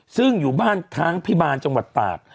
ซึ่งอยู่บ้านค้างพิบาลจังหวัดตาก